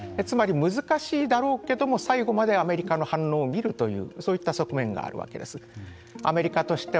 つまり難しいだろうけども最後までアメリカの反応を見るというそういった側面があるわけです。